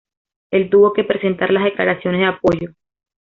Él tuvo que presentar las declaraciones de apoyo.